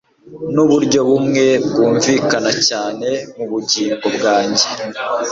Nuburyo bumwe bwumvikana cyane mubugingo bwanjye